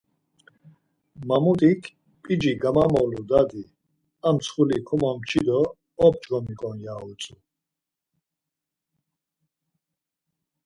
Mamut̆ik, P̌ici gamamolu dadi, ar mtsxuli komomçi do op̌ç̌ǩnomiǩon ya utzu.